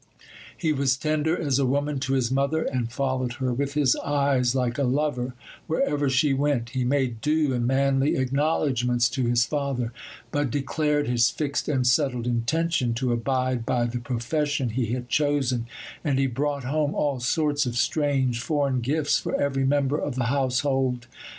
He was tender as a woman to his mother, and followed her with his eyes, like a lover, wherever she went: he made due and manly acknowledgments to his father, but declared his fixed and settled intention to abide by the profession he had chosen; and he brought home all sorts of strange foreign gifts for every member of the household.